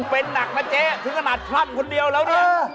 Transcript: เป็นหนักนะเจ๊ถึงขนาดพันคนเดียวแล้ว